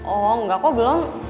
oh enggak kok belum